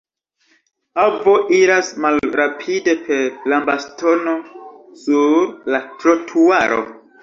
Avo iras malrapide per lambastono sur la trotuaro.